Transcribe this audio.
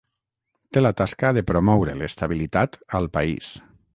Té la tasca de promoure l'estabilitat al país.